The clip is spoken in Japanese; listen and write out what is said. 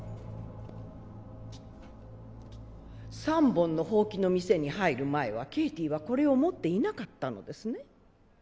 三本の箒の店に入る前はケイティはこれを持っていなかったのですね？